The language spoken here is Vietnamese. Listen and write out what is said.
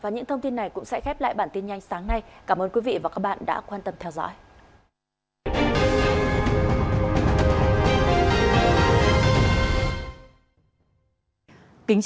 cũng sẽ khép lại bản tin nhanh sáng nay cảm ơn quý vị và các bạn đã quan tâm theo dõi